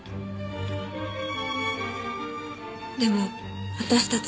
でも私たち。